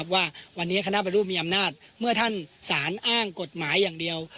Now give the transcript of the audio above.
ว่าวันนี้คณะปฏิรูปมีอำนาจเมื่อท่านสารอ้างกฎหมายอย่างเดียว